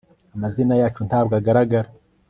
amazina yacu ntabwo agaragara